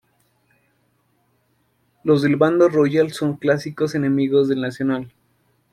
Los del bando Royal son clásicos enemigos del Nacional.